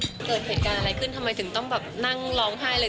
เกิดเหตุการณ์อะไรขึ้นทำไมถึงต้องแบบนั่งร้องไห้เลย